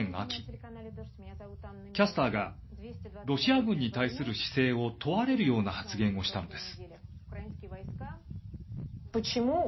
キャスターがロシア軍に対する姿勢を問われるような発言をしたのです。